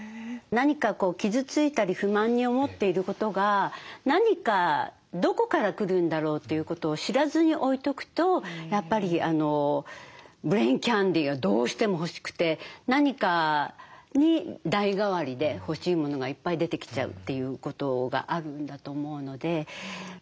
何か傷ついたり不満に思っていることが何かどこから来るんだろうということを知らずに置いとくとやっぱりブレーンキャンディーがどうしても欲しくて何かに代替わりで欲しい物がいっぱい出てきちゃうっていうことがあるんだと思うので。